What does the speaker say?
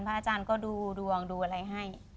อาจารย์ก็ดูดวงดูอะไรให้